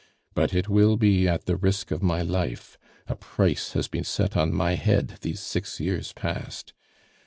But it will be at the risk of my life, a price has been set on my head these six years past....